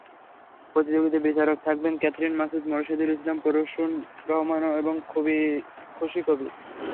প্রতিযোগিতায় বিচারক থাকবেন ক্যাথরিন মাসুদ, মোরশেদুল ইসলাম, প্রসূন রহমান এবং খুশী কবির।